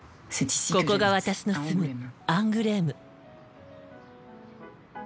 ここが私の住むアングレーム。